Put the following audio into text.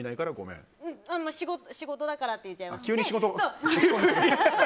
仕事だからって言っちゃいます。